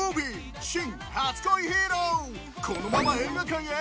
このまま映画館へ